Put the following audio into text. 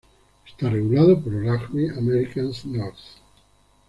Esta regulado por Rugby Americas North.